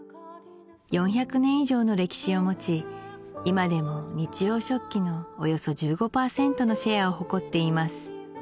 ４００年以上の歴史を持ち今でも日用食器のおよそ１５％のシェアを誇っています